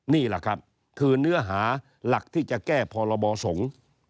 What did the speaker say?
นี่แหละครับคือเนื้อหาหลักที่จะแก้พรบสงฆ์